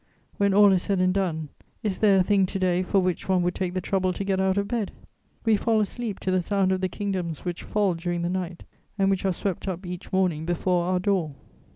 When all is said and done, is there a thing to day for which one would take the trouble to get out of bed? We fall asleep to the sound of the kingdoms which fall during the night and which are swept up each morning before our door.